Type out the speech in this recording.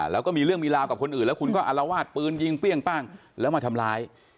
แล้วก็มีเรื่องมีราวกับคนอื่นแล้วคุณก็อารวาสปืนยิงเปรี้ยงป้างแล้วมาทำร้าย